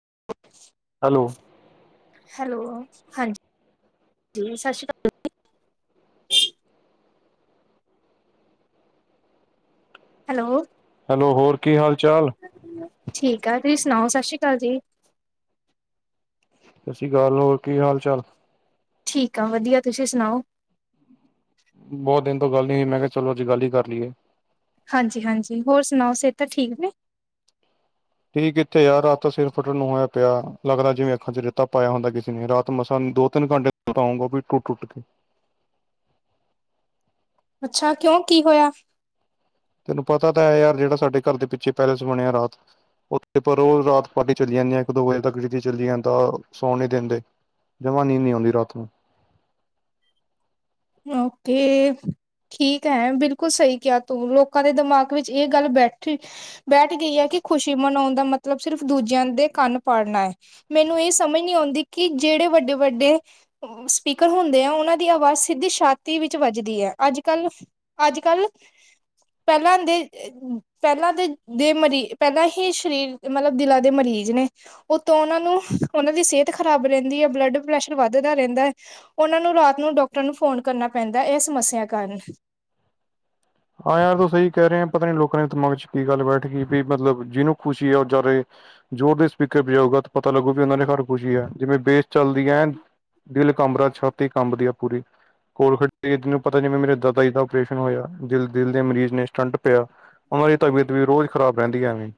- [inaudible] Hello. Hello ਹਾਂਜੀ ਸਤਿ ਸ਼੍ਰੀ ਅਕਾਲ। ਹੈਲੋ। ਹੈਲੋ, ਹੋਰ ਕੀ ਹਾਲ ਚਾਲ? ਠੀਕ ਆ ਤੁਸੀਂ ਸੁਣਾਓ ਸਤਿ ਸ਼੍ਰੀ ਅਕਾਲ ਜੀ। ਸਤਿ ਸ਼੍ਰੀ ਅਕਾਲ ਹੋਰ ਕੀ ਹਾਲ ਚਾਲ? ਠੀਕ ਆ ਵਧੀਆ ਤੁਸੀਂ ਸੁਣਾਓ? ਬਹੁਤ ਦਿਨ ਤੋਂ ਗੱਲ ਨੀ ਹੋਈ ਮੈਂ ਕਿਹਾ ਚਲੋ ਅੱਜ ਗੱਲ ਈ ਕਰ ਲਈਏ। ਹਾਂਜੀ ਹਾਂਜੀ, ਹੋਰ ਸੁਣਾਓ ਸਿਹਤਾਂ ਠੀਕ ਨੇ? ਠੀਕ ਕਿੱਥੇ ਆ ਰਾਤ ਦਾ ਸਿਰ ਫੱਟਣ ਨੂੰ ਹੋਇਆ ਪਿਆ ਲੱਗਦਾ ਜਿਵੇਂ ਅੱਖਾਂ ਚ ਰੇਤਾ ਪਾਇਆ ਹੁੰਦਾ ਕਿਸੇ ਨੇ ਰਾਤ ਮਸਾਂ ਦੋ ਤਿੰਨ ਘੰਟੇ। ਬਤਾਊਂਗਾ ਵੀ ਟੁੱਟ ਟੁੱਟ ਕੇ। ਅੱਛਾ ਕਿਉਂ ਕੀ ਹੋਇਆ? ਤੈਨੂੰ ਪਤਾ ਤਾਂ ਐ ਯਾਰ ਜਿਹੜਾ ਸਾਡੇ ਘਰ ਦੇ ਪਿੱਛੇ ਪੈਲੇਸ ਬਣਿਆ ਰਾਤ। ਉੱਥੇ ਪਰ ਉਹ ਰਾਤ ਪਾਰਟੀ ਚਲੀ ਜਾਂਦੀ ਇੱਕ ਦੋ ਵਜੇ ਤੱਕ ਚਲੀ ਜਾਂਦਾ ਸੌਣ ਨੀ ਦਿੰਦੇ। ਜਮ੍ਹਾਂ ਨੀਂਦ ਨੀ ਆਉਂਦੀ ਰਾਤ ਨੂੰ। ਓਕੇ। ਠੀਕ ਐ। ਬਿਲਕੁਲ ਸਹੀ ਕਿਹਾ ਤੂੰ ਲੋਕਾਂ ਦੇ ਦਿਮਾਗ ਵਿੱਚ ਏ ਗੱਲ ਬੈਠੀ। ਬੈਠ ਗਈ ਐ। ਕਿ ਖੁਸ਼ੀ ਮਨਾਉਣ ਦਾ ਮਤਲਬ ਸਿਰਫ਼ ਦੂਜਿਆਂ ਦੇ ਕੰਨ ਪਾੜਨਾ ਐ। ਮੈਨੂੰ ਇਹ ਸਮਝ ਨਹੀਂ ਆਉਂਦੀ ਕਿ ਜਿਹੜੇ ਵੱਡੇ ਵੱਡੇ ਸਪੀਕਰ ਹੁੰਦੇ ਆ ਉਹਨਾਂ ਦੀ ਆਵਾਜ਼। ਸਿੱਧੀ ਛਾਦੀ ਵਿੱਚ ਵੱਜਦੀ ਐ। ਅੱਜ ਕੱਲ ਅੱਜ ਕੱਲ ਪਹਿਲਾਂ ਦੇ। ਪਹਿਲਾਂ ਦੇ ਦੇ ਮਰੀ ਪਹਿਲਾਂ ਹੀ ਸਰੀਰ ਮਤਲਬ ਦਿਲਾਂ ਦੇ ਮਰੀਜ਼ ਨੇ। ਉਤੋਂ ਉਹਨਾਂ ਨੂੰ ਉਹਨਾਂ ਦੀ ਸਿਹਤ ਖ਼ਰਾਬ ਰਹਿੰਦੀ ਐ ਬਲੱਡ ਪ੍ਰੈਸ਼ਰ ਵੱਧਦਾ ਰਹਿੰਦਾ। ਉਹਨਾਂ ਨੂੰ ਰਾਤ ਨੂੰ ਡਾਕਟਰ ਨੂੰ ਫੋਨ ਕਰਨਾ ਪੈਂਦਾ ਏ ਸਮੱਸਿਆ ਕਾਰਨ। ਹਾਂ, ਯਾਰ ਤੂੰ ਸਹੀ ਕਹਿ ਰੇ ਆ ਪਤਾ ਨੀ ਲੋਕਾਂ ਦੇ ਦਿਮਾਗ ਚ ਕੀ ਗੱਲ ਬੈਠ ਗਈ ਵੀ ਮਤਲਬ ਜਿਹਨੂੰ ਖੁਸ਼ੀ ਆ ਓ ਜ਼ਿਆਦੇ। ਜ਼ੋਰ ਦੇ ਸਪੀਕਰ ਬਜਾਊਗਾ ਤਾਂ ਪਤਾ ਲੱਗੂਗਾ ਵੀ ਉਹਨਾਂ ਦੇ ਘਰ ਖੁਸ਼ੀ ਐ ਜਿਵੇਂ ਬੇਸ ਚੱਲਦੀ ਐਨ। ਦਿਲ ਕੰਬਦਾ ਛਾਤੀ ਕੰਬਦੀ ਆ ਪੂਰੀ। [unintelligible] ਤੈਨੂੰ ਪਤਾ ਨੀ ਵੀ ਮੇਰੇ ਦਾਦਾ ਜੀ ਦਾ ਆਪਓਰੇਸ਼ਨ ਹੋਇਆ। ਦਿਲ ਦਿਲ ਦੇ ਮਰੀਜ਼ ਨੇ ਸਟੰਟ ਪਿਆ ਉਹਨਾਂ ਦੀ ਤਬੀਅਤ ਵੀ ਰੋਜ਼ ਖ਼ਰਾਬ ਰਹਿੰਦੀ ਐ ਐਵੇਂ।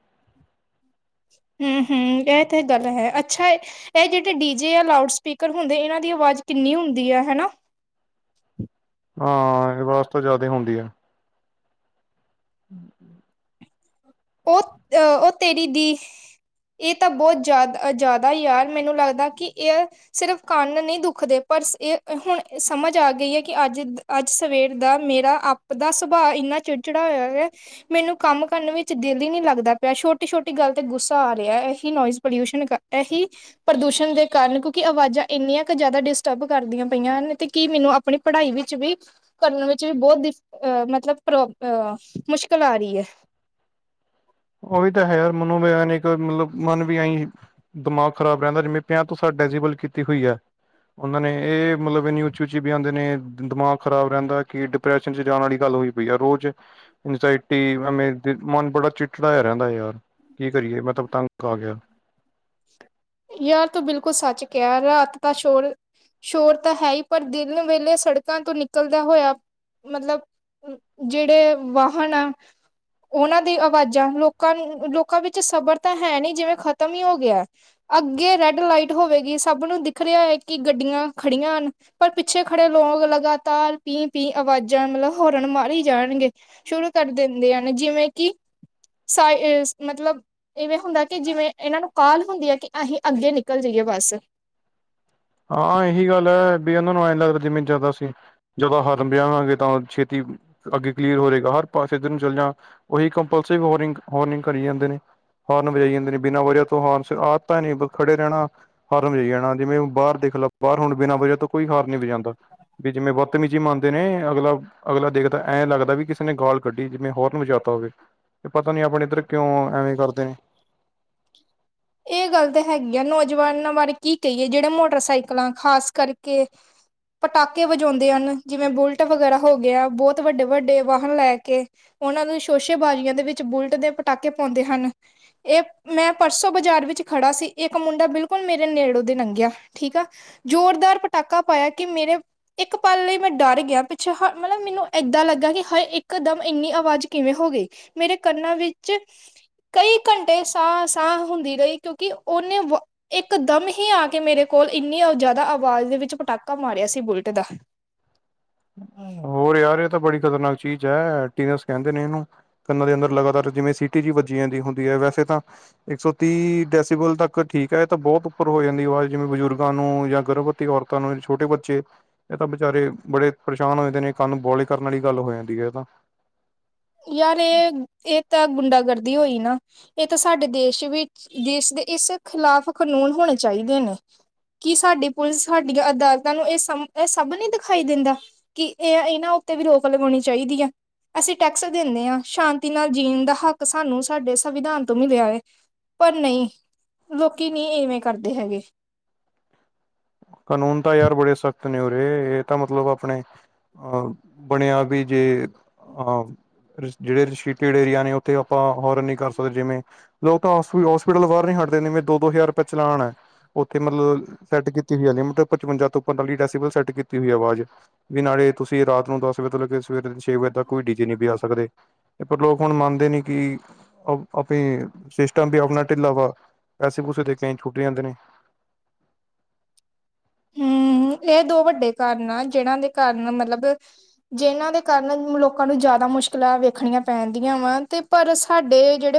ਹੂੰ ਹੂੰ, ਏ ਤੇ ਗੱਲ ਹੈ ਅੱਛਾ। ਇਹ ਜਿਹੜੇ ਡੀ ਜੇ ਜਾਂ ਲਾਊਡ ਸਪੀਕਰ ਹੁੰਦੇ ਇਹਨਾਂ ਦੀ ਆਵਾਜ਼ ਕਿੰਨੀ ਹੁੰਦੀ ਆ ਹਨਾ। ਹਾਂ ਅਵਾਜ ਤਾਂ ਜ਼ਿਆਦਾ ਹੁੰਦੀ ਆ। [inaudible] ਓ ਅ ਓ ਤੇਰੀ ਦੀ। ਇਹ ਤਾਂ ਬਹੁਤ ਜ਼ਿਆਦਾ ਜ਼ਿਆਦਾ ਈ ਯਾਰ ਮੈਨੂੰ ਲੱਗਦਾ ਕਿ ਸਿਰਫ਼ ਕੰਨ ਨੀ ਦੁਖਦੇ ਪਰ ਏ ਹੁਣ ਸਮਝ ਆ ਗਈ ਐ ਕਿ ਅੱਜ। ਅੱਜ ਸਵੇਰ ਦਾ ਮੇਰਾ ਆਪ ਦਾ ਸੁਭਾਅ ਇੰਨਾ ਚਿੜਚਿੜਾ ਹੋਇਆ ਹੋਇਆ ਮੈਨੂੰ ਕੰਮ ਕਰਨ ਵੀ, ਦਿਲ ਈ ਨੀ ਲੱਗਦਾ ਪਿਆ ਛੋਟੀ-ਛੋਟੀ ਗੱਲ ਤੇ ਗੁੱਸਾ ਆ ਰਿਹਾ ਇਹੀ ਨੋਇਜ਼ ਪੋਲਿਊਸ਼ਨ ਇਹੀ। ਪ੍ਰਦੂਸ਼ਣ ਦੇ ਕਾਰਨ ਕਿਉਂਕਿ ਆਵਾਜ਼ਾਂ ਇੰਨੀਆਂ ਕ ਜ਼ਿਆਦਾ ਡਿਸਟਰਬ ਕਰਦੀਆਂ ਪਈਆਂ ਹਨ ਤੇ ਕੀ ਮੈਨੂੰ ਆਪਣੀ ਪੜ੍ਹਾਈ ਵਿੱਚ ਵੀ ਕਰਨ ਵਿੱਚ ਵੀ ਬਹੁਤ ਢਿਫ ਅ ਮਤਲਬ ਪ੍ਰੋਬ ਅਹ ਮੁਸ਼ਕਿਲ ਆ ਰੀ ਐ। ਓਹੀ ਤਾਂ ਹੈ ਮਨੋਵਿਗਿਆਨਿਕ ਮਤਲਬ ਮਨ ਵੀ ਐਈ। ਦਮਾਗ ਖ਼ਰਾਬ ਰਹਿੰਦਾ ਜਿਵੇਂ [unintelligible] ਤੁਸਾਂ ਡੈਜੀਬਲ ਕੀਤੀ ਹੋਈ ਐ। ਉਹਨਾਂ ਨੇ ਇਹ ਮਤਲਬ ਇੰਨੀ ਉੱਚੀ ਉੱਚੀ ਬਿਆਨ ਦੇਣੇ ਦਮਾਗ ਖ਼ਰਾਬ ਰਹਿੰਦਾ ਕਿ ਡਿਪ ਰੇਸ਼ਨ ਚ ਜਾਣ ਆਲੀ ਗੱਲ ਹੋਈ ਪਈ ਆ ਰੋਜ਼ ਇੰਜਾਈਟੀ ਮਨ ਬੜਾ ਚਿੜ ਚੜਾਇਆ ਰਹਿੰਦਾ ਯਾਰ ਕੀ ਕਰੀਏ ਮੈਂ ਤਾਂ ਤੰਗ ਆ ਗਿਆ। ਯਾਰ ਤੂੰ ਬਿਲਕੁਲ ਸੱਚ ਕਿਆ ਰਾਤ ਦਾ ਸ਼ੋਰ। ਸ਼ੋਰ ਤਾਂ ਹੈਈ ਪਰ ਦਿਨ ਵੇਲੇ ਸੜਕਾਂ ਤੋਂ ਨਿਕਲਦਾ ਹੋਇਆ ਮਤਲਬ ਜਿਹੜੇ ਵਾਹਨ ਆ। ਉਹਨਾਂ ਦੀ ਆਵਾਜ਼ਾਂ ਲੋਕਾਂ ਨੂੰ ਲੋਕਾਂ ਵਿੱਚ ਸਬਰ ਤਾਂ ਹੈਨੀ ਜਿਵੇਂ ਖ਼ਤਮ ਈ ਹੋ ਗਿਆ। ਅੱਗੇ ਰੈਡ ਲਾਈਟ ਹੋਵੇਗੀ ਸਭ ਨੂੰ ਦਿੱਖ ਰਿਆ ਐ ਕਿ ਗੱਡੀਆਂ ਖੜੀਆਂ ਹਨ। ਪਰ ਪਿੱਛੇ ਖੜੇ ਲੋਕ ਲਗਾਤਾਰ ਪੀ ਪੀ ਆਵਾਜ਼ਾਂ ਮਤਲਬ ਹੋਰਨ ਮਾਰੀ ਜਾਣਗੇ। ਸ਼ੁਰੂ ਕਰ ਦਿੰਦੇ ਹਨ ਜਿਵੇਂ ਕਿ ਸਾਏ ਏਸ ਮਤਲਬ ਇਵੇਂ ਹੁੰਦਾ ਕਿ ਜਿਵੇਂ ਇਹਨਾਂ ਨੂੰ ਕਾਲ ਹੁੰਦੀ ਐ ਕਿ ਅਹੀਂ ਅੱਗੇ ਨਿਕਲ ਜਾਈਏ ਬਸ। ਹਾਂ ਇਹੀ ਗੱਲ ਐ ਬੀ ਓਨਾਂ ਨੂੰ ਐਂ ਲੱਗਦਾ ਜਿਵੇਂ ਜ਼ਿਆਦਾ ਸੀ। ਜਦੋਂ ਹੋਰਨ ਬਜਾਵਾਂਗੇ ਤਾਂ ਛੇਤੀ ਅੱਗੇ ਕਲੀਅਰ ਹੋਵੇਗਾ ਹਰ ਪਾਸੇ ਇੱਧਰ ਨੂੰ ਚੱਲ ਜਾ। ਉਹੀ ਕੰਪਲਸਿਵ ਹੋਰਿੰਗ ਹੋਰਨਿੰਗ ਕਰੀ ਜਾਂਦੇ ਨੇ। ਹਾਰਨ ਵਜਾਈ ਜਾਂਦੇ ਨੇ ਬਿਨਾਂ ਵਜੇ ਤੋਂ ਹਾਰਨਸ ਆਦਤਾਂ ਨੇ ਬ ਖੜੇ ਰਹਿਣਾ ਹਾਰਨ ਵਜਾਈ ਜਾਣਾ ਜਿਵੇਂ ਓ ਬਾਰ ਦੇਖਲਾ ਬਾਹਰ ਹੁਣ ਬਿਨਾਂ ਵਜਾ ਤੋਂ ਕੋਈ ਹਾਰਨ ਨੀ ਵਜਾਂਦਾ ਵੀ ਜਿਵੇਂ ਬੱਤਮੀਜੀ ਮੰਨ ਦੇ ਨੇ ਅਗਲਾ ਅਗਲਾ ਦੇਖਦਾ ਐਂ ਲੱਗਦਾ ਵੀ ਕਿਸੇ ਨੇ ਗਾਲ ਕੱਢੀ ਜਿਵੇਂ ਹੋਰਨ ਵਜਾਤਾ ਹੋਵੇ। ਪਤਾ ਨੀ ਆਪਣੇ ਇੱਧਰ ਕਿਉਂ ਐਵੇਂ ਕਰਦੇ ਨੇ। ਇਹ ਗੱਲ ਤਾਂ ਹੈਗੀ ਆ ਨੌਜਵਾਨਾਂ ਬਾਰੇ ਕੀ ਕਹੀਏ ਜਿਹੜੇ ਮੋਟਰਸਾਈਕਲਾਂ ਖ਼ਾਸ ਕਰਕੇ। ਪਟਾਕੇ ਵਜਾਉਂਦੇ ਹਨ ਜਿਵੇਂ ਬੁਲਟ ਵਗੈਰਾ ਹੋ ਗਿਆ ਬਹੁਤ ਵੱਡੇ ਵੱਡੇ ਵਾਹਨ ਲੈ ਕੇ। ਉਹਨਾਂ ਨੂੰ ਸ਼ੋਸ਼ੇਬਾਜ਼ੀਆਂ ਦੇ ਵਿੱਚ ਬੁਲਟ ਦੇ ਪਟਾਕੇ ਪਾਉਂਦੇ ਹਨ ਏ ਮੈਂ ਪਰਸੋਂ ਬਾਜ਼ਾਰ ਵਿੱਚ ਖੜਾ ਸੀ ਇੱਕ ਮੁੰਡਾ ਬਿਲਕੁਲ ਮੇਰੇ ਨੇੜੋ ਦੀ ਨਗਿਆ ਠੀਕ ਆ। ਜ਼ੋਰਦਾਰ ਪਟਾਕਾ ਪਾਇਆ ਕੀ ਮੇਰੇ ਇੱਕ ਪਲ ਲਈ ਮੈਂ ਡਰ ਗਿਆ ਪਿੱਛੇ ਹ ਮਤਲਬ ਮੈਨੂੰ ਇੱਦਾਂ ਲੱਗਾ ਕਿ ਹਾਏ ਇੱਕਦਮ ਇੰਨੀ ਆਵਾਜ਼ ਕਿਵੇਂ ਹੋਗੀ। ਮੇਰੇ ਕੰਨਾਂ ਵਿੱਚ ਕਈ ਘੰਟੇ ਸਾਹ ਸਾਹ। ਹੁੰਦੀ ਰਈ ਕਿਉਂਕਿ ਓਨੇ ਵ ਇੱਕ ਦਮ ਹੀ ਆ ਕੇ ਮੇਰੇ ਕੋਲ ਇੰਨੀ ਓ ਜ਼ਿਆਦਾ ਆਵਾਜ਼ ਦੇ ਵਿੱਚ ਪਟਾਕਾ ਮਾਰਿਆ ਸੀ ਬੁਲਟ ਦਾ। [unintelligible] ਹੋਰ ਯਾਰ ਇਹ ਤਾਂ ਬੜੀ ਖਤਰਨਾਕ ਚੀਜ਼ ਐ ਟੀਨਸ ਕਹਿੰਦੇ ਨੇ ਇਹਨੂੰ। ਕੰਨਾਂ ਦੇ ਅੰਦਰ ਲਗਾਤਾਰ ਜਿਵੇਂ ਸਿਟੀ ਜੀ ਵੱਜੀ ਜਾਂਦੀ ਹੁੰਦੀ ਐ ਵੈਸੇ ਤਾਂ। ਇੱਕ ਸੌ ਤੀਹ ਡੈਸੀਬਲ ਤੱਕ ਠੀਕ ਐ ਏ ਤਾਂ ਬਹੁਤ ਉੱਪਰ ਹੋ ਜਾਂਦੀ ਆਵਾਜ਼ ਜਿਵੇਂ ਬਜ਼ੁਰਗਾਂ ਨੂੰ ਜਾਂ ਗਰਭਰਤ ਤੀ ਔਰਤਾਂ ਨੂੰ ਛੋਟੇ ਬੱਚੇ ਏ ਤਾਂ ਵਿਚਾਰੇ ਬੜੇ ਪਰੇਸ਼ਾਨ ਹੋਏ ਦੇ ਨੇ। ਕੰਨ ਬੋਲੇ ਕਰਨ ਆਲੀ ਗੱਲ ਹੋ ਜਾਂਦੀ ਏ ਤਾਂ। ਯਾਰ ਇਹ ਇਹ ਤਾਂ ਗੁੰਡਾਗਰਦੀ ਹੋਈ ਨਾ। ਇਹ ਤਾਂ ਸਾਡੇ ਦੇਸ਼ ਵਿੱਚ ਦੇਸ਼ ਦੇ ਇਸ ਖਿਲਾਫ਼ ਕਨੂੰਨ ਹੋਣੇ ਚਾਈਦੇ ਨੇ। ਕਿ ਸਾਡੀ ਪੁਲਿਸ, ਸਾਡੀਆਂ ਅਦਾਲਤਾਂ ਨੂੰ ਇਹ ਸਮ ਇਹ ਸਭ ਨੀ ਦਿਖਾਈ ਦੇਂਦਾ। ਕਿ ਇਹ ਇਹਨਾਂ ਉੱਤੇ ਵੀ ਰੋਕ ਲਗਾਉਣੀ ਚਾਈਦੀ ਆ। ਅਸੀਂ ਟੈਕਸ ਦਿੰਣੇ ਆਂ ਸ਼ਾਂਤੀ ਨਾਲ ਜੀਣ ਦਾ ਹੱਕ ਸਾਨੂੰ ਸਾਡੇ ਸੰਵਿਧਾਨ ਤੋਂ ਮਿਲਿਆ ਏ। ਪਰ ਨਈਂ, ਲੋਕੀ ਨੀਂ ਇਵੇਂ ਕਰਦੇ ਹੈਗੇ। ਕਾਨੂੰਨ ਤਾਂ ਯਾਰ ਬੜੇ ਸਖ਼ਤ ਨੇ ਉਰੇ ਇਹ ਤਾਂ ਮਤਲਬ ਆਪਣੇ ਅ ਬਣਿਆ ਬੀ ਜੇ ਅ ਰਿਸ ਜਿਹੜੇ ਰਿਸਿ਼ਟਡ ਏਰੀਆ ਨੇ ਉੱਥੇ ਆਪਾਂ ਹੋਰਨ ਨ੍ਹੀਂ ਕਰ ਸਕਦੇ ਜਿਵੇਂ। ਲੋਕ ਤਾਂ ਹੋਸ ਹੋਸਪਿਟਲ ਬਾਹਰ ਨੀਂ ਹਟਦੇ ਨੇ ਦੋ-ਦੋ ਹਜ਼ਾਰ ਰੁਪਏ ਚਲਾਨ ਏ, ਉੱਥੇ ਮਤਲਬ ਸੈਟ ਕੀਤੀ ਈ ਨਿਮ ਪਚਵੰਜਾ ਤੋਂੱ ਪੰਜਤਾਲੀ ਡੈਸੀਮਲ ਸੈਟ ਕੀਤੀ ਹੋਈ ਆਵਾਜ਼ ਵੀ ਨਾਲੇ ਤੁਸੀਂ ਰਾਤ ਨੂੰ ਦਸ ਵਜੇ ਤੋਂ ਲੈਕੇ ਸਵੇਰੇ ਛੇ ਵਜੇ ਤੱਕ ਕੋਈ ਡੀ ਜੇ ਨੀ ਬਜਾ ਸਕਦੇ। ਪਰ ਲੋਕ ਹੁਣ ਮੰਨਦੇ ਨੇ ਕਿ ਕਾਫੀ ਸਿਸਟਮ ਵੀ ਆਪਣਾ ਢਿੱਲਾ ਵਾ ਪੈਸੇ-ਪੂਸੇ ਦੇ ਕੇ ਏਂਈ ਛੁੱਟ ਜਾਂਦੇ ਨੇ। ਹਮ ਇਹ ਦੋ ਵੱਡੇ ਕਾਰਨ ਆ, ਜਿਹਨਾਂ ਦੇ ਕਾਰਨ ਮਤਲਬ ਜਿਨ੍ਹਾਂ ਦੇ ਕਾਰਨ ਲੋਕਾਂ ਨੂੰ ਜ਼ਿਆਦਾ ਮੁਸ਼ਕਿਲਾਂ ਵੇਖਣੀਆਂ ਪੈਂਣਦੀਆਂ ਵਾ ਤੇ ਪਰ ਸਾਡੇ ਜੇੜੇ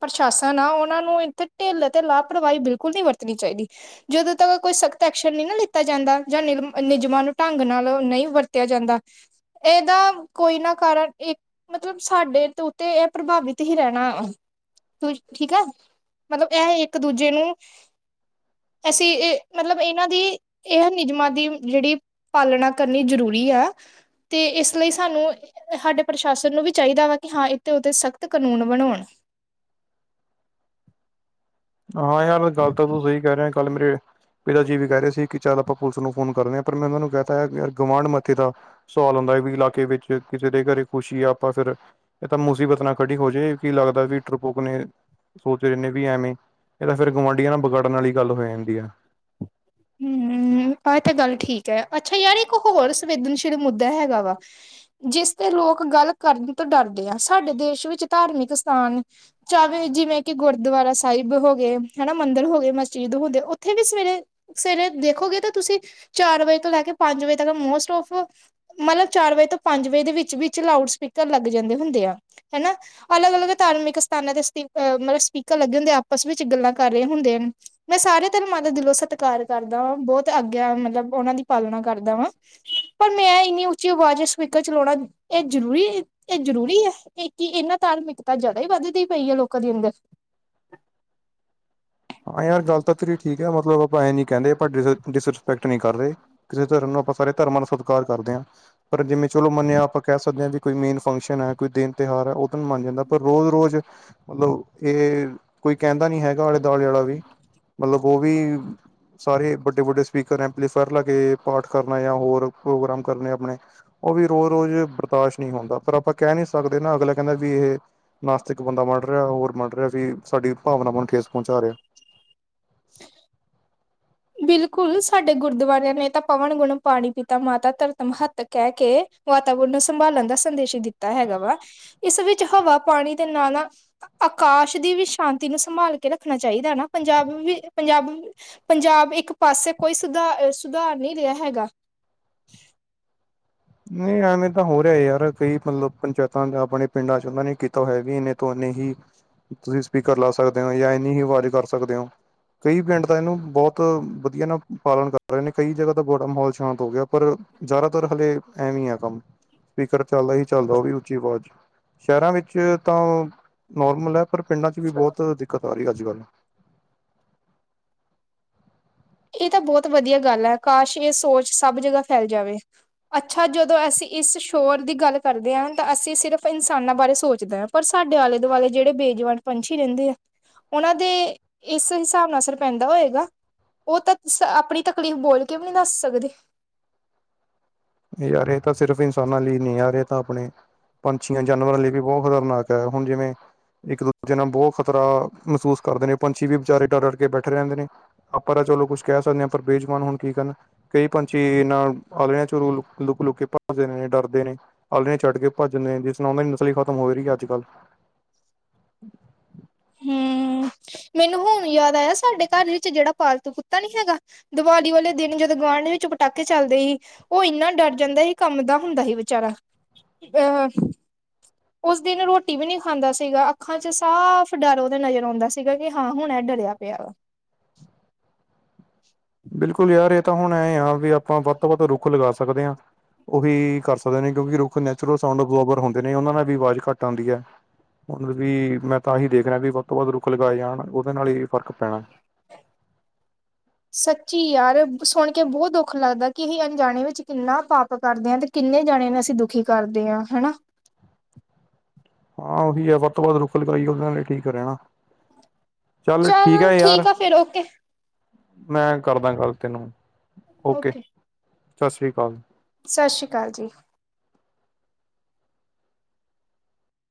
ਪ੍ਰਸ਼ਾਸਨ ਆ ਉਹਨਾਂ ਨੂੰ ਇੱਥੇ ਢਿੱਲ ਅਤੇ ਲਾਪਰਵਾਹੀ ਬਿਲਕੁਲ ਨਈ ਵਰਤਣੀ ਚਾਈਦੀ। ਜਦੋਂ ਤੱਕ ਕੋਈ ਸਕ ਸਖ਼ਤ ਐਕਸ਼ਨ ਨਈ ਨਾ ਲਿੱਤਾ ਜਾਂਦਾ ਜਾਂ ਨਿਰਮ ਨਿਯਮਾਂ ਨੂੰ ਢੰਗ ਨਾਲ ਨਈ ਵਰਤਿਆ ਜਾਂਦਾ ਤੇ ਇਹਦਾ ਕੋਈ ਨਾ ਕਾਰਨ ਇੱਕ ਮਤਲਬ ਸਾਡੇ ਤੋਂ ਉਤੇ ਇਹ ਪ੍ਰਭਾਵਿਤ ਹੀ ਰਹਿਣਾ ਠੀਕ ਆ ਮਤਲਬ ਇਹ ਇੱਕ ਦੂਜੇ ਨੂੰ ਅਸੀਂ ਮਤਲਬ ਇਨ੍ਹਾਂ ਦੀ ਇਹ ਨਿਯਮਾਂ ਦੀ ਜੇੜੀ ਪਾਲਣਾ ਕਰਨੀ ਜ਼ਰੂਰੀ ਆ। ਤੇ ਇਸ ਲਈ ਸਾਨੂੰ ਹਾਡੇ ਪ੍ਰਸ਼ਾਸਨ ਨੂੰ ਵੀ ਚਾਈਦਾ ਵਾ ਕਿ ਹਾਂ ਇੱਥੇ ਉਤੇ ਸਖ਼ਤ ਕਾਨੂੰਨ ਬਣਾਉਣ ਹਾਂ ਯਾਰ ਗੱਲ ਤਾਂ ਤੂੰ ਸਹੀ ਕੈ ਰਿਆ ਕਲ ਮੇਰੇ ਪਿਤਾ ਜੀ ਵੀ ਕੈਅ ਰਹੇ ਸੀ ਕਿ ਚੱਲ ਆਪਾਂ ਪੁਲਿਸ ਨੂੰ ਫੋਨ ਕਰਨੇਂ ਆ ਪਰ ਮੈਂ ਉਹਨਾਂ ਨੂੰ ਕੈਅ ਤਾ ਯਾਰ ਗਵਾਂਢ ਮੱਥੇ ਦਾ ਸਵਾਲ ਆਉਂਦਾ ਵੀ ਇਲਾਕੇ ਵਿੱਚ ਕਿਸੇ ਦੇ ਘਰੇ ਖੁਸ਼ੀ ਆ ਆਪਾਂ ਫਿਰ ਇਹ ਤਾਂ ਮੁਸੀਬਤ ਨਾਂ ਖੜੀ ਹੋ ਜੇ ਕੀ ਲੱਗਦਾ ਵੀ ਅਪੋ ਅਪਨੇ ਸੋਚ ਰੇਣੇ ਵੀ ਐਵੇਂ ਇਹ ਤਾਂ ਫਿਰ ਗੁਆਂਢੀਆਂ ਨਾਲ ਬਗਾੜਨ ਵਾਲੀ ਗੱਲ ਹੋ ਜਾਂਦੀ ਆ। ਹਂ, ਆਹ ਇਹ ਤਾਂ ਗੱਲ ਠੀਕ ਐ ਅੱਛਾ ਯਾਰ ਇੱਕ ਹੋਰ ਸੰਵੇਦਨਸ਼ੀਲ ਮੁੱਦਾ ਹੈਗਾ ਵਾ ਜਿਸ ਤੇ ਲੋਕ ਗੱਲ ਕਰਨ ਤੋਂ ਡਰਦੇ ਆ ਸਾਡੇ ਦੇਸ਼ ਵਿੱਚ ਧਾਰਮਿਕ ਸਥਾਨ ਚਾਵੇ ਜਿਵੇਂ ਕਿ ਗੁਰਦੁਆਰਾ ਸਾਹਿਬ ਹੋ ਗਏ ਹਨਾਂ ਮੰਦਿਰ ਹੋ ਗਏ, ਮਸਜਿਦ ਹੋੰਦੇ ਉੱਥੇ ਵੀ ਸਵੇਰੇ ਸਵੇਰੇ ਦੇਖੋਗੇ ਤਾਂ ਤੁਸੀਂ ਚਾਰ ਵਜੇ ਤੋਂ ਲੈ ਕੇ ਪੰਜ ਵਜੇ ਤੱਕ ਮੋਸਟ ਔਫ ਮਤਲਬ ਚਾਰ ਵਜੇ ਤੋਂ ਪੰਜ ਵਜੇ ਦੇ ਵਿੱਚ-ਵਿੱਚ ਲਾਊਡ ਸਪੀਕਰ ਲੱਗ ਜਾਂਦੇ ਹੁੰਦੇ ਆ ਹੇਨਾਂ ਅਲੱਗ-ਅਲੱਗ ਧਾਰਮਿਕ ਸਥਾਨਾਂ ਦੇ ਸਪੀ ਮਤਲਬ ਸਪੀਕਰ ਲੱਗੇ ਹੁੰਦੇ ਆ ਆਪਸ ਵਿੱਚ ਗੱਲਾਂ ਕਰ ਰਹੇ ਹੁੰਦੇ ਨੇ ਮੈਂ ਸਾਰੇ ਧਰਮਾਂ ਦਾ ਦਿਲੋਂ ਸਤਿਕਾਰ ਕਰਦਾ ਵਾਂ ਬਹੁਤ ਆਗਿੱਆ ਮਤਲਬ ਉਹਨਾਂ ਦੀ ਪਾਲਣਾ ਕਰਦਾ ਵਾਂ ਪਰ ਮੈਂ ਇੰਨੀ ਉੱਚੀ ਆਵਾਜ਼ ਚ ਸਪੀਕਰ ਚਲਾਉਣਾ ਇਹ ਜ਼ਰੂਰੀ ਹੀ ਇਹ ਜ਼ਰੂਰੀ ਐ। ਇਹ ਕੀ ਇਨਾਂ ਧਾਰਮਿਕਤਾ ਜ਼ਿਆਦਾ ਈ ਵੱਧਦੀ ਪਈ ਐ ਲੋਕਾਂ ਦੇ ਅੰਦਰ ਹਾਂ ਯਾਰ ਗੱਲ ਤਾਂ ਤੇਰੀ ਠੀਕ ਐ ਮਤਲਬ ਆਪਾਂ ਇਹ ਨਈ ਕਹਿੰਦੇ ਆਪਾਂ ਡਿਸਰਿਸਪੈਕਟ ਨਈ ਕਰਦੇ ਕਿਸੇ ਧਰਮ ਨੂੰ ਆਪਾਂ ਸਾਰੇ ਧਰਮਾਂ ਦਾ ਸਤਿਕਾਰ ਕਰਦੇ ਆਂ। ਪਰ ਜਿਵੇਂ ਚਲੋ ਮੰਨਿਆ ਆਪਾਂ ਕੈਅ ਸਕਦੇ ਆਂ ਵੀ ਕੋਈ ਮੇਨ ਫੰਕਸ਼ਨ ਐ, ਕੋਈ ਦਿਨ ਤਿਉਹਾਰ ਐ, ਉਹ ਦਿਨ ਮੰਨ ਜਾਂਦਾ ਐ ਪਰ ਰੋਜ਼-ਰੋਜ਼ ਮਤਲਬ ਇਹ ਕੋਈ ਕੈਂਦਾ ਨੀ ਹੈਗਾ ਆਲੇ-ਦੁਆਲੇ ਆਲਾ ਵੀ ਮਤਲਬ ਉਹ ਵੀ ਸਾਰੇ ਵੱਡੇ-ਵੱਡੇ ਸਪੀਕਰ, ਐਮਪਲੀਫੇਅਰ ਲਾ ਕੇ ਪਾਠ ਕਰਨਾ ਜਾਂ ਹੋਰ ਪ੍ਰੋਗਰਾਮ ਕਰਨੇ ਆਪਣੇ ਉਹ ਵੀ ਰੋਜ਼-ਰੋਜ਼ ਬਰਦਾਸ਼ਤ ਨਈਂ ਹੁੰਦਾ, ਪਰ ਆਪਾਂ ਕੈਅ ਨੀ ਸਕਦੇ ਨਾਂ ਅਗਲਾ ਕੈਂਦਾ ਵੀ ਇਹ ਨਾਸਤਿਕ ਬੰਦਾ ਮਰ ਰਿਆ ਹੋਰ ਮਰ ਰਿਆ ਵੀ ਸਾਡੀ ਭਾਵਨਾਵਾਂ ਨੂੰ ਠੇਸ ਪਹੁੰਚਾ ਰਿਹਾ [inaudible] ਬਿਲਕੁਲ ਸਾਡੇ ਗੁਰਦੁਆਰਿਆਂ ਨੇ ਤਾਂ ਪਵਨ ਗੁਣ ਪਾਣੀ ਪੀਤਾ ਮਾਤਾ ਧਰਤ ਮਹਤ ਕਹਿ ਕੇ ਵਾਤਾਵਰਨ ਨੂੰ ਸੰਭਾਲਣ ਦਾ ਸੰਦੇਸ਼ ਦਿੱਤਾ ਹੈਗਾ ਵਾ। ਇਸ ਵਿੱਚ ਹਵਾ ਪਾਣੀ ਦੇ ਨਾਲ ਨਾ, ਆਕਾਸ਼ ਦੀ ਵੀ ਸ਼ਾਂਤੀ ਨੂੰ ਸੰਭਾਲ ਕੇ ਰੱਖਣਾ ਚਾਹੀਦਾ ਨਾ ਪੰਜਾਬ ਵੀ ਪੰਜਾਬ ਪੰਜਾਬ ਇੱਕ ਪਾਸੇ ਕੋਈ ਸੁ-ਸੁਧਾਰ ਨੀ ਰਿਆ ਹੈਗਾ। ਨਈ ਐਵੇਂ ਤਾਂ ਹੋ ਰਿਆ ਯਾਰ ਕਈ ਮਤਲਬ ਪੰਚਾਇਤਾਂ ਆਪਣੇ ਪਿੰਡਾਂ ਚ ਉਹਨਾਂ ਨੇ ਕੀਤਾ ਹੋਇਆ ਵੀ ਇਨੇ ਤੋਂ ਇਨੇ ਹੀ, ਤੁਸੀਂ ਸਪੀਕਰ ਲਾ ਸਕਦੇ ਓ ਜਾਂ ਇੰਨੀ ਈ ਆਵਾਜ਼ ਕਰ ਸਕਦੇ ਓ ਕਈ ਪਿੰਡ ਤਾਂ ਇਹਨੂੰ ਬਹੁਤ ਵਧੀਆ ਨਾ ਪਾਲਣ ਕਰ ਰੇ ਨੇ ਕਈ ਜਗ੍ਹਾ ਦਾ ਬੜਾ ਮਾਹੌਲ ਸ਼ਾਂਤ ਹੋ ਗਿਆ ਪਰ ਜ਼ਿਆਦਾਤਰ ਹਲੇ ਐਵੀ ਆ ਕੰਮ ਸਪੀਕਰ ਚੱਲਦਾ ਈ ਚੱਲਦਾ ਓ ਵੀ ਉੱਚੀ ਆਵਾਜ਼। ਸ਼ਹਿਰਾਂ ਵਿੱਚ ਤਾਂ ਨੋਰਮਲ ਐ ਪਰ ਪਿੰਡਾਂ 'ਚ ਵੀ ਬਹੁਤ ਦਿੱਕਤ ਆ ਰਹੀ ਐ ਅੱਜ ਕੱਲ੍ਹ ਏ ਤਾਂ ਬਹੁਤ ਵਧੀਆ ਗੱਲ ਐ ਕਾਸ਼ ਏ ਸੋਚ ਸਭ ਜਗ੍ਹਾ ਫੈਲ ਜਾਵੇ। ਅੱਛਾ ਜਦੋਂ ਅਸੀਂ ਇਸ ਸ਼ੋਰ ਦੀ ਗੱਲ ਕਰਦੇ ਆ ਤਾਂ ਅਸੀਂ ਸਿਰਫ ਇਨਸਾਨਾਂ ਬਾਰੇ ਸੋਚਦੇ ਆ ਪਰ ਸਾਡੇ ਆਲੇ ਦੁਆਲੇ ਜਿਹੜੇ ਬੇਜਵਾਨ ਪੰਛੀ ਰਹਿੰਦੇ ਆ। ਉਹਨਾਂ ਦੇ ਇਸ ਹਿਸਾਬ ਨਾਲ ਅਸਰ ਪੈਂਦਾ ਹੋਏਗਾ। ਓ ਤਾਂ ਆਪਣੀ ਤਕਲੀਫ਼ ਬੋਲ ਕੇ ਵੀ ਨੀ ਦੱਸ ਸਕਦੇ। ਯਾਰ ਏ ਤਾਂ ਸਿਰਫ਼ ਇਨਸਾਨਾਂ ਲਈ ਨੀ ਯਾਰ ਏ ਤਾਂ ਆਪਣੇ। ਪੰਛੀਆਂ ਜਾਨਵਰਾਂ ਲਈ ਵੀ ਬਹੁਤ ਖ਼ਤਰਨਾਕ ਐ ਹੁਣ ਜਿਵੇਂ। ਇੱਕ ਦੂਜੇ ਨਾਲ ਬਹੁਤ ਖਤਰਾ ਮਹਿਸੂਸ ਕਰਦੇ ਨੇ ਪੰਛੀ ਵੀ ਵਿਚਾਰੇ ਡਰ ਡਰ ਕੇ ਬੈਠੇ ਰਹਿੰਦੇ ਨੇ। ਆਪਾਂ ਤਾਂ ਚਲੋ ਕੁੱਛ ਕਹਿ ਸਕਦੇ ਆ ਪਰ ਬੇਜੁਬਾਨ ਹੁਣ ਕੀ ਕਰਨ ਕਈ ਪੰਛੀ ਆਂਲਣੇ ਚੋ ਰੁਲ ਲੁੱਕ ਲੁੱਕ ਕੇ ਭੱਜਦੇ ਨੇ ਡਰਦੇ ਨੇ ਆਲਣੇ ਛੱਡ ਕੇ ਭੱਜਦੇ ਨੇ ਜਿਸ ਨਾਲ ਉਹਨਾਂ ਦੀ ਨਸਲ ਈ ਖ਼ਤਮ ਹੋ ਰੀ ਅੱਜ ਕੱਲ। ਹਮ [inaudible] ਮੈਨੂੰ ਹੁਣ ਯਾਦ ਆਇਆ ਸਾਡੇ ਘਰ ਵਿੱਚ ਜਿਹੜਾ ਪਾਲਤੂ ਕੁੱਤਾ ਨੀ ਹੈਗਾ। ਦੀਵਾਲੀ ਵਾਲੇ ਦਿਨ ਜਦੋਂ ਗੁਆਂਢ ਵਿੱਚ ਪਟਾਕੇ ਚੱਲਦੇ ਸੀ। ਓ ਇੰਨਾ ਡਰ ਜਾਂਦਾ ਸੀ ਕੰਬਦਾ ਹੁੰਦਾ ਸੀ ਵਿਚਾਰਾ ਅਹ ਉਸ ਦਿਨ ਰੋਟੀ ਵੀ ਨੀ ਖਾਂਦਾ ਸੀਗਾ ਅੱਖਾਂ ਚ ਸਾਫ਼ ਡਰ ਉਹਦੇ ਨਜ਼ਰ ਆਉਂਦਾ ਸੀਗਾ ਕਿ ਹਾਂ ਹੁਣ ਏ ਡਰਿਆ ਪਿਆ ਵਾ। ਬਿਲਕੁੱਲ ਯਾਰ ਏ ਤਾਂ ਹੁਣ ਐ ਆ ਵੀ ਆਪਾਂ ਵੱਧ ਤੋਂ ਵੱਧ ਰੁੱਖ ਲਗਾ ਸਕਦੇ ਆ। ਉਹੀ ਕਰ ਸਕਦੇ ਨੇ ਕਿਉਂਕਿ ਰੱਖ ਨੈਚੁਰਲ ਸਾਊਂਡ ਅਬਜ਼ੋਰਬਰ ਹੁੰਦੇ ਨੇ ਉਹਨਾਂ ਨਾਲ ਵੀ ਆਵਾਜ਼ ਘੱਟ ਆਂਦੀ ਐ। ਹੁਣ ਵੀ ਮੈਂ ਤਾਂ ਅਹੀ ਦੇਖ ਰਿਹਾ ਵੀ ਵੱਧ ਤੋਂ ਵੱਧ ਰੁੱਖ ਲਗਾਏ ਜਾਣ ਉਹਦੇ ਨਾਲ ਹੀ ਫ਼ਰਕ ਪੈਣਾ। ਸੱਚੀ ਯਾਰ ਸੁਣ ਕੇ ਬਹੁਤ ਦੁੱਖ ਲੱਗਦਾ ਕਿ ਅਸੀਂ ਅਣਜਾਣੇ ਵਿੱਚ ਕਿੰਨਾ ਪਾਪ ਕਰਦੇ ਆ ਤੇ ਕਿੰਨੇ ਜਣੇ ਨੇ ਅਸੀਂ ਦੁਖੀ ਕਰਦੇ ਆ ਹਨਾ। ਹਾਂ ਉਹੀ ਐ ਵੱਧ ਤੋਂ ਵੱਧ ਰੁੱਖ ਲਗਾਈਏ ਉਹਦੇ ਨਾਲ ਠੀਕ ਰਹਿਣਾ। ਚੱਲ ਚਲ ਠੀਕ ਐ ਯਾਰ। ਆ ਫਿਰ ਓਕੇ ਮੈਂ ਕਰਦਾ ਗੱਲ ਤੈਨੂੰ ਓਕੇ ਸਤਿ ਸ੍ਰੀ ਅਕਾਲ। ਸਤਿ ਸ਼੍ਰੀ ਅਕਾਲ ਜੀ।